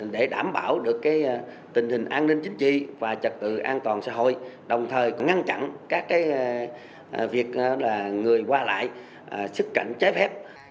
để đảm bảo được tình hình an ninh chính trị và trật tự an toàn xã hội đồng thời ngăn chặn các việc người qua lại xuất cảnh trái phép